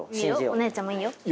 お姉ちゃんもいいよ。